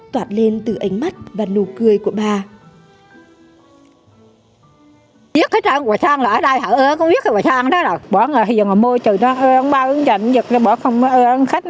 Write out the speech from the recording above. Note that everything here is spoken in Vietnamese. toạt lên từ ánh mắt và nụ cười của bà